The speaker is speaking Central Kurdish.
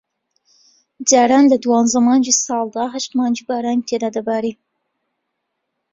جاران لە دوانزە مانگی ساڵدا ھەشت مانگ بارانی تیا دەباری